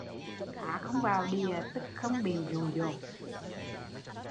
Cá không vào đìa tức không bị dụ dỗ